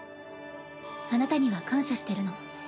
あなたには感謝してるの。